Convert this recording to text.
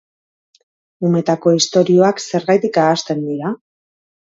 Umetako istorioak zergatik ahazten dira?